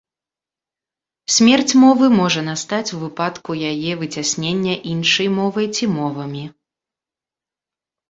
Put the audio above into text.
Смерць мовы можа настаць у выпадку яе выцяснення іншай мовай ці мовамі.